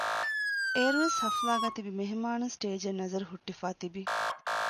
އޭރުވެސް ހަފްލާގައި ތިބި މެހެމާނުން ސްޓޭޖަށް ނަޒަރު ހުއްޓިފައި ތިވި